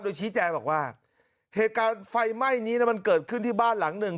โดยชี้แจงบอกว่าเหตุการณ์ไฟไหม้นี้มันเกิดขึ้นที่บ้านหลังหนึ่ง